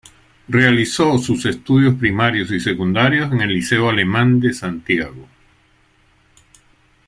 Realizó sus estudios primarios y secundarios en el Liceo Alemán de Santiago.